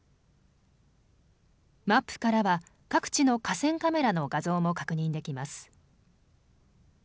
マップからは各地の河川カメラの画像も確認できます。